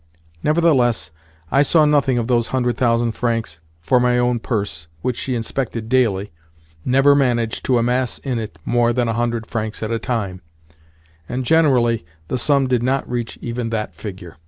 Nevertheless, I saw nothing of those hundred thousand francs, for my own purse (which she inspected daily) never managed to amass in it more than a hundred francs at a time; and, generally the sum did not reach even that figure.